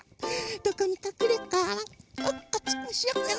どこにかくれようか？